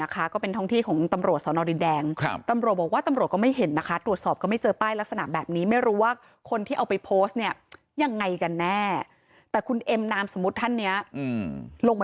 ก็เป็นท่องที่ของตำรวจสนดินแดง